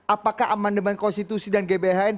apakah amandemen konstitusi dan gbhn